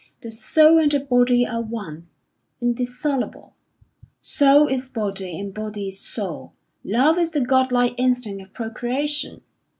The soul and the body are one, indissoluble. Soul is body, and body is soul. Love is the God like instinct of procreation.